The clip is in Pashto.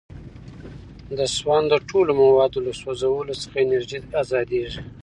د سون د ټولو موادو له سوځولو څخه انرژي ازادیږي.